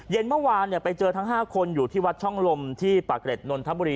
เมื่อวานไปเจอทั้ง๕คนอยู่ที่วัดช่องลมที่ปากเกร็ดนนทบุรี